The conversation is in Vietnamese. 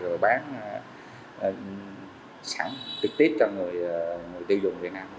rồi bán sẵn trực tiếp cho người tiêu dùng việt nam